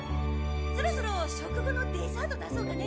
そろそろ食後のデザート出そうかね。